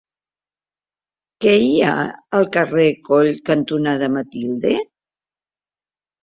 Què hi ha al carrer Coll cantonada Matilde?